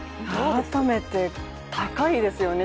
改めて、高いですよね。